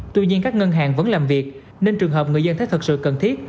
tuy nhiên các ngân hàng vẫn làm việc nên trường hợp người dân thấy thật sự cần thiết